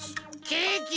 ケーキ。